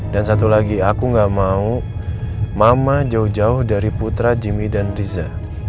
dan satu lagi aku nggak mau mama jauh jauh dari putra jimmy dan riza